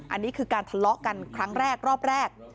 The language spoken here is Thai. อันนี้คือการทะเลาะกันครั้งแรกรอบแรก